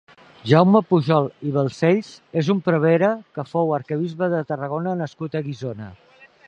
Jaume Pujol i Balcells és un prevere que fou arquebisbe de Tarragona nascut a Guissona.